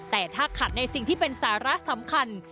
แต่ถ้าขัดในสิ่งที่เป็นสาระสำคัญ